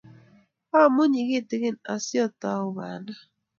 amunyii kitikin asiotou banda